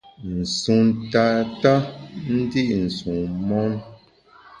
Nsun tata ndi’ nsun mon.